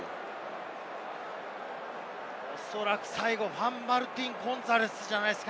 おそらく最後はフアン＝マルティン・ゴンザレスじゃないですか？